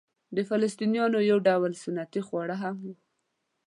د فلسطنیانو یو ډول سنتي خواړه هم وو.